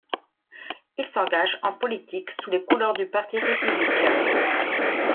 Il s'engage en politique sous les couleurs du parti républicain.